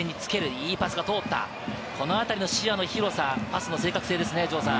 いいパスが通った、この辺りの視野の広さ、パスの正確性ですね、城さん。